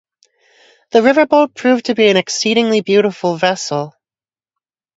The riverboat proved to be an exceedingly beautiful vessel.